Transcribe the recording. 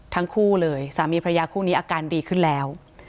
ทั้งคู่เลยสามีพระยาคู่นี้อาการดีขึ้นแล้ว